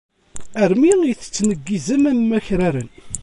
Armi i tettneggizem am wakraren.